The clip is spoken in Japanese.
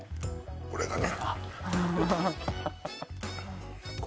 これがね